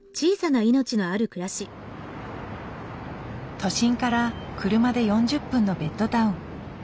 都心から車で４０分のベッドタウン。